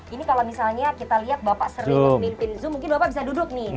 ini kalau misalnya kita lihat bapak sering memimpin zoom mungkin bapak bisa duduk nih